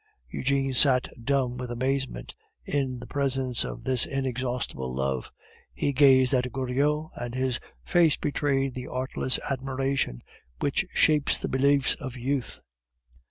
Eugene sat dumb with amazement in the presence of this inexhaustible love; he gazed at Goriot, and his face betrayed the artless admiration which shapes the beliefs of youth.